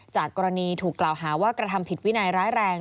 จากกรณีถูกกล่าวหาว่ากระทำผิดวินัยร้ายแรง